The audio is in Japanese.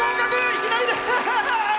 いきなりでーす！